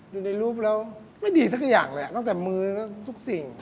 ดูในรูปแล้วไม่ดีสักอย่างแหละตั้งแต่มือทุกสิ่ง